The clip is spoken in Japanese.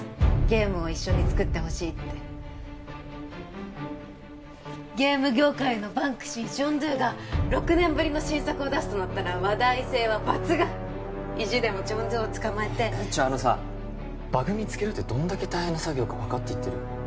ゲームを一緒に作ってほしいってゲーム業界のバンクシージョン・ドゥが６年ぶりの新作を出すとなったら話題性は抜群意地でもジョン・ドゥをつかまえてちょっあのさバグ見つけるってどんだけ大変な作業か分かって言ってる？